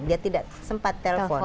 dia tidak sempat telepon